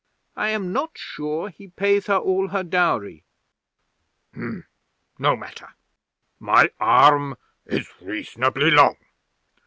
I am not sure he pays her all her dowry." '"No matter. My arm is reasonably long.